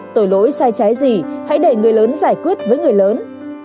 tội lỗi sai trái gì hãy để người lớn giải quyết với người lớn